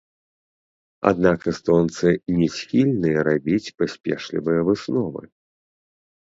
Аднак эстонцы не схільныя рабіць паспешлівыя высновы.